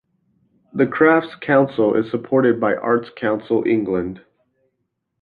The Crafts Council is supported by Arts Council England.